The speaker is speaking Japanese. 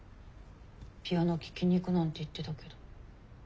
ピアノ聴きに行くなんて言ってたけど。